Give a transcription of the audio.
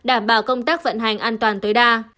an toàn tối đa